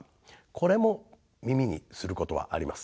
これも耳にすることはあります。